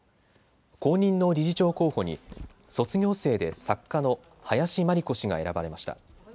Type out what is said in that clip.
後任の理事長候補に卒業生で作家の林真理子氏が選ばれました。